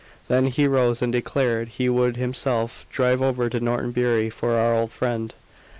Then he rose and declared he would himself drive over to Norton Bury for our old friend.